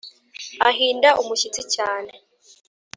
ahinda umushyitsi cyane,